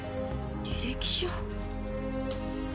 履歴書？